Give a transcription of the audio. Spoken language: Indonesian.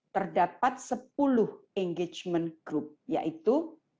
terdapat sepuluh engagement group yaitu